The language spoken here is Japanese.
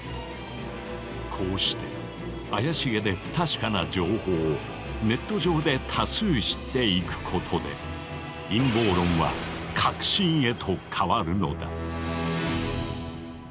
こうして怪しげで不確かな情報をネット上で多数知っていくことで陰謀論は確信へと変わるのだ。